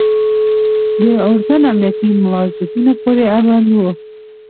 د اردن امنیتي موظفینو پورې اړوند وو.